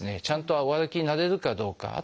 ちゃんとお歩きになれるかどうか。